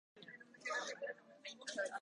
浄化される。